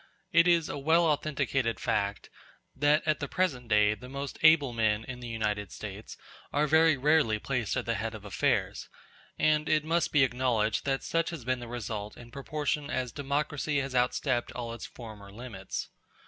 It is a well authenticated fact, that at the present day the most able men in the United States are very rarely placed at the head of affairs; and it must be acknowledged that such has been the result in proportion as democracy has outstepped all its former limits.